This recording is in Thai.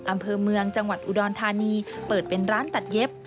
อำเภอเมืองจังหวัดอุดรธานีเปิดเป็นร้านตัดเย็บ